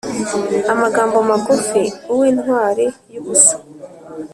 amagambo magufi uwintwari y‘ubusa